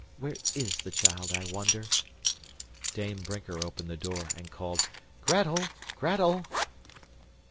Where IS the child, I wonder?" Dame Brinker opened the door, and called, "Gretel! Gretel!"